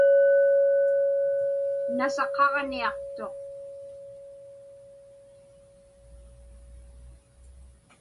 Nasaqaġniaqtuq.